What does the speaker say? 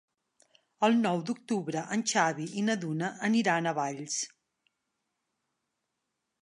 El nou d'octubre en Xavi i na Duna aniran a Valls.